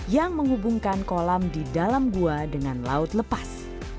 yang menghubungkan kolam di dalam gua dengan laut lepas